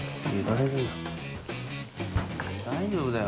大丈夫だよ。